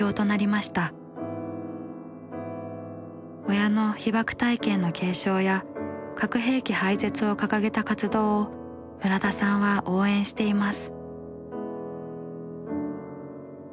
親の被爆体験の継承や核兵器廃絶を掲げた活動を村田さんは応援しています。